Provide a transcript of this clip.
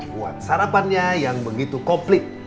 buat sarapannya yang begitu komplit